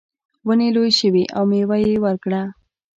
ونې لویې شوې او میوه یې ورکړه.